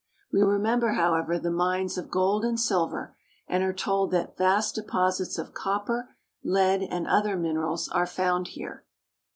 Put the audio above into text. We remember, however, the mines of gold and silver, and are told that vast deposits of copper, lead, and other minerals are found here.